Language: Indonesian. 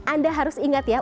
anda harus ingat ya